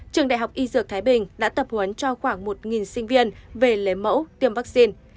trường đại học y dược thái bình đã tập huấn cho khoảng một sinh viên về lấy mẫu tiêm vaccine